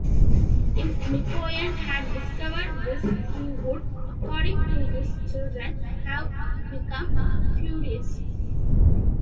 If Mikoyan had discovered this he would, according to his children, have become furious.